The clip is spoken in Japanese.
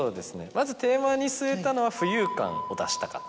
まずテーマに据えたのは浮遊感を出したかった。